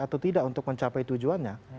atau tidak untuk mencapai tujuannya